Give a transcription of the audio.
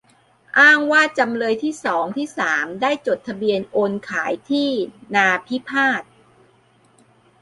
อ้างว่าจำเลยที่สอง ที่สาม ได้จดทะเบียนโอนขายที่นาพิพาท